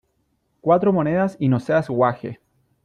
¡ cuatro monedas y no seas guaje !...